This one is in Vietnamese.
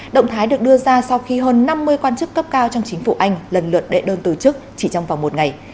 động thái được đưa ra sau khi hơn năm mươi quan chức cấp cao trong chính phủ anh lần lượt đệ đơn từ chức chỉ trong vòng một ngày